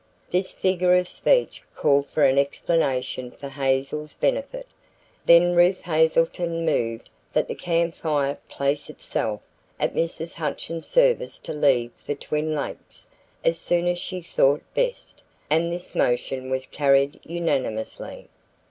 This figure of speech called for an explanation for Hazel's benefit. Then Ruth Hazelton moved that the Camp Fire place itself at Mrs. Hutchins' service to leave for Twin Lakes as soon as she thought best, and this motion was carried unanimously.